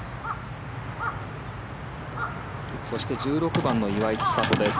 そして１６番の岩井千怜です。